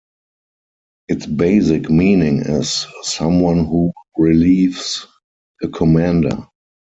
Its basic meaning is "someone who relieves a commander".